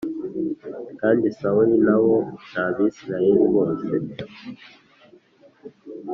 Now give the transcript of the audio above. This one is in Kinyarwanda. Kandi Sawuli na bo n’Abisirayeli bose